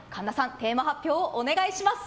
テーマ発表をお願いします。